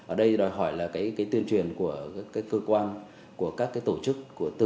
ở đây đòi hỏi là tuyên truyền của cơ quan của các tổ chức